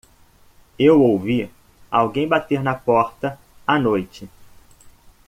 Eu ouvi alguém bater na porta à noite.